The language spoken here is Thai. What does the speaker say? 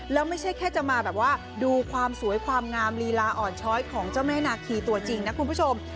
แล้วไม่ใช่แค่จะมาแบบว่าดูความสวยความงามลีลาอ่อนช้อยของเจ้าแม่นาคีตัวจริงนะคุณผู้ชม